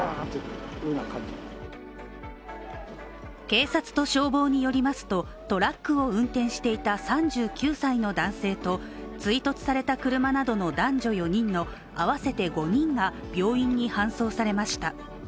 警察と消防によりますとトラックを運転していた３９歳の男性と追突された車などの男女４人の合わせて５人が病院に搬送されました。